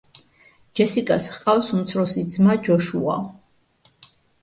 ჯესიკას ჰყავს უმცროსი ძმა ჯოშუა.